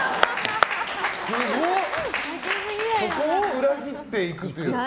すごい！そこを裏切っていくという。